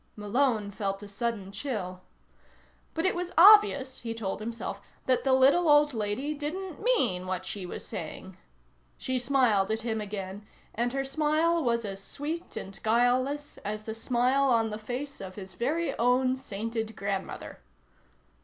Malone felt a sudden chill. But it was obvious, he told himself, that the little old lady didn't mean what she was saying. She smiled at him again, and her smile was as sweet and guileless as the smile on the face of his very own sainted grandmother.